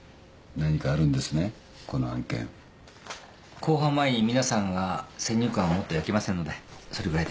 公判前に皆さんが先入観を持ってはいけませんのでそれぐらいで。